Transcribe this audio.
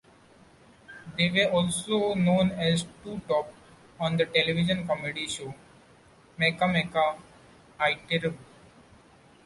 They were also known as "Two Top" on the television comedy show "Mecha-Mecha Iketeru!